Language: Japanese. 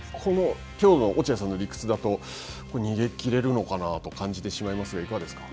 きょうの落合さんの理屈だと逃げきれるのかなと感じてしまいましたが、いかがですか。